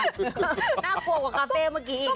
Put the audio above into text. น่ากลัวกว่าคาเฟ่เมื่อกี้อีก